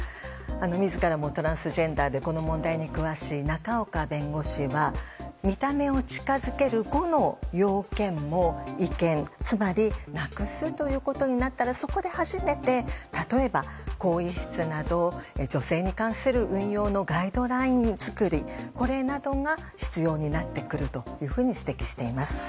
自らもトランスジェンダーでこの問題に詳しい仲岡弁護士は見た目を近づける５の要件も違憲つまりなくすということになったらそこで初めて例えば、更衣室など女性に関する運用のガイドライン作りなどが必要になってくるというふうに指摘しています。